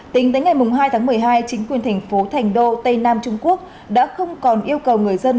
tính tới ngày hai tháng một mươi hai chính quyền thành phố thành đô tây nam trung quốc đã không còn yêu cầu người dân